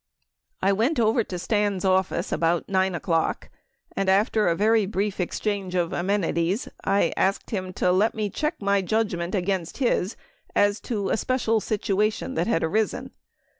I went over to Stan's office about 9 o'clock, and after a very brief exchange of amenities, I asked him to let me check my judgment against his as to special situation that had arisen.